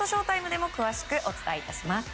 ＳＨＯ‐ＴＩＭＥでも詳しくお伝え致します。